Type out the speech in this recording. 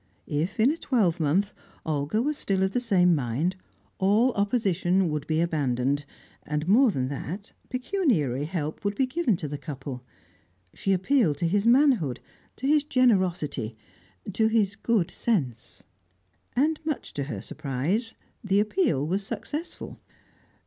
If, in a twelvemonth, Olga were still of the same mind, all opposition should be abandoned, and more than that, pecuniary help would be given to the couple. She appealed to his manhood, to his generosity, to his good sense. And, much to her surprise, the appeal was successful.